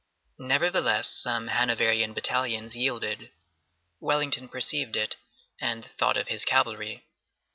Nevertheless, some Hanoverian battalions yielded. Wellington perceived it, and thought of his cavalry.